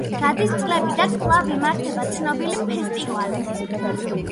გადის წლები და კვლავ იმართება ცნობილი ფესტივალი.